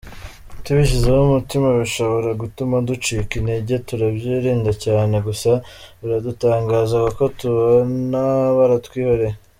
Tubishyizeho umutima bishobora gutuma ducika intege turabyirinda cyane, gusa biradutangaza kuko tubona baratwihoreye.